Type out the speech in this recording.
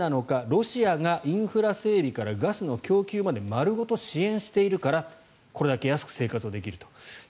ロシアがインフラ整備からガスの供給まで丸ごと支援しているからこれだけ安く生活ができると。